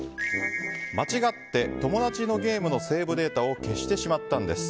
間違って友達のゲームのセーブデータを消してしまったんです。